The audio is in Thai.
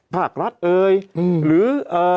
ภาครัฐเอยยย์หรือ